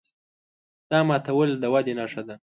دا ماتول د ودې نښه ده.